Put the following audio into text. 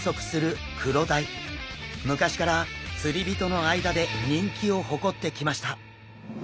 昔から釣り人の間で人気を誇ってきました。